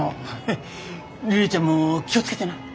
リリィちゃんも気を付けてな。